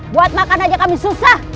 buat makan aja kami susah